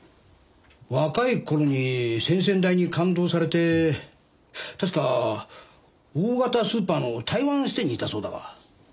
若い頃に先々代に勘当されて確か大型スーパーの台湾支店にいたそうだが。